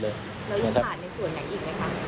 แล้วยังผ่านในส่วนไหนอีกไหมคะ